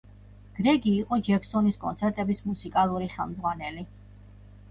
გრეგი იყო ჯექსონის კონცერტების მუსიკალური ხელმძღვანელი.